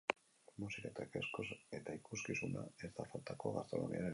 Musika eta ikuskizuna ez da faltako gastronomiaren inguruan.